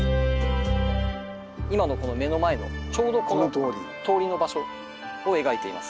今のこの目の前のちょうどこの通りの場所を描いています。